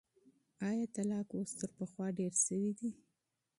ایا طلاق اوس تر پخوا ډېر سوی دی؟